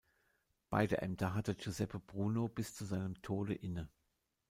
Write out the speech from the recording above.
Beide Ämter hatte Giuseppe Bruno bis zu seinem Tode inne.